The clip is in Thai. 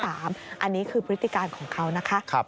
อันนี้คือพฤติการของเขานะคะ